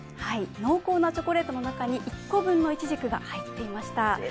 濃厚なチョコレートの中に１個分のいちじくが入っていました。